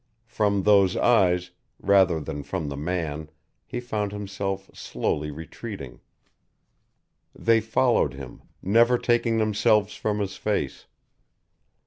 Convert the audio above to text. From those eyes, rather than from the man, he found himself slowly retreating. They followed him, never taking themselves from his face.